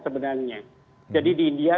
sebenarnya jadi di india